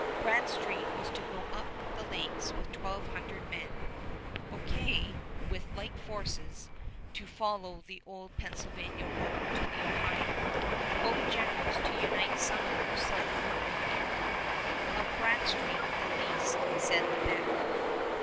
Bradstreet was to go up the lakes with twelve hundred men, Bouquet, with like forces, to follow the old Pennsylvania road to the Ohio, both generals to unite somewhere south of Lake Erie. Of Bradstreet the least said the better.